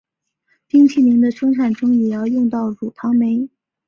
冰淇淋的生产中也要用到乳糖酶。